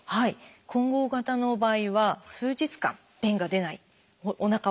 混合型の場合は数日間便が出ない。